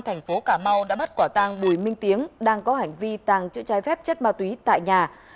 thành phố cà mau đã bắt quả tàng bùi minh tiếng đang có hành vi tàng trữ trái phép chất ma túy tại nhà